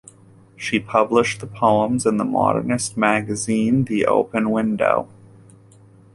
She published poems in the modernist magazine "The Open Window".